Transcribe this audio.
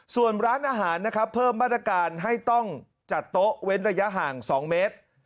ส่วนร้านอาหารนะครับเพิ่มมาตรการให้ต้องจัดโต๊ะเว้นระยะห่าง๒เมตร